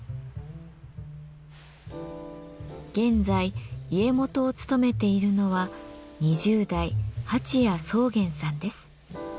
現在家元を務めているのは二十代蜂谷宗玄さんです。